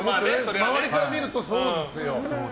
周りから見ると、そうですよ。